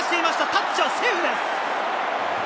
タッチはセーフです！